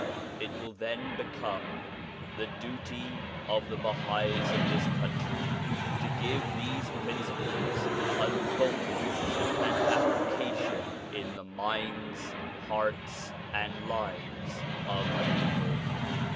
It will then become the duty of the Bahais of this country to give these principles unfold ment and application in the minds, hearts and lives of the people.